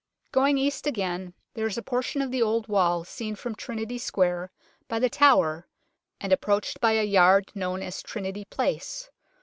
Going east again, there is a portion of the old wall seen from Trinity Square, by The Tower, and approached by a yard known as Trinity Place.